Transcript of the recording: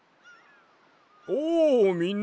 おおみんな！